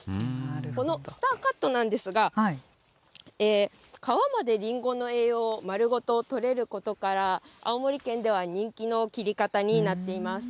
このスターカットなんですが、皮までりんごの栄養を丸ごととれることから、青森県では人気の切り方になっています。